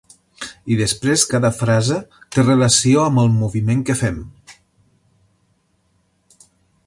I després, cada frase té relació amb el moviment que fem.